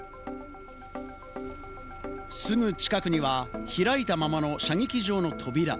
すぐ近くには開いたままの射撃場の扉。